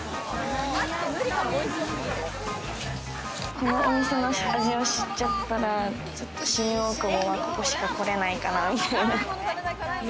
このお店の味を知っちゃったら、新大久保は、ここしかこれないかなみたいな。